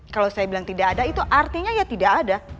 kalau saya bilang tidak ada itu artinya ya tidak ada